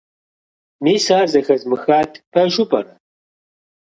Мис ар зэхэзмыхат. Пэжу пӏэрэ?